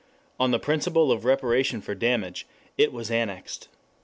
On the principle of reparation for damage it was annexed.